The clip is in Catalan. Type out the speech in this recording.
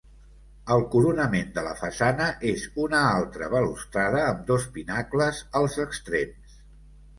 El coronament de la façana és una altra balustrada amb dos pinacles als extrems.